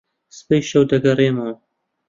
سبەی شەو دەگەڕێمەوە.